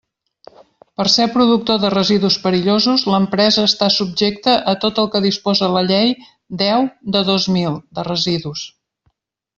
Per ser productor de residus perillosos, l'empresa està subjecta a tot el que disposa la Llei deu de dos mil, de residus.